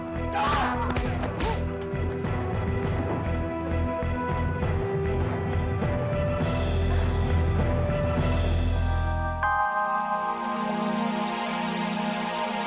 penjahat itu harus dapat balasannya